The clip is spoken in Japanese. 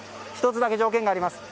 １つだけ、条件があります。